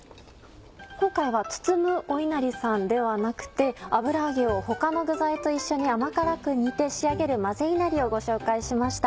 今回は包むおいなりさんではなくて油揚げを他の具材と一緒に甘辛く煮て仕上げる「混ぜいなり」をご紹介しました。